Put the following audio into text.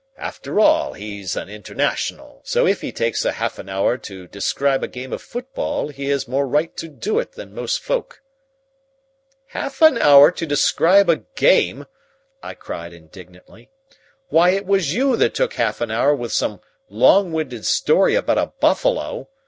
After all, he's an International, so if he takes half an hour to describe a game of football he has more right to do it than most folk." "Half an hour to describe a game!" I cried indignantly. "Why, it was you that took half an hour with some long winded story about a buffalo.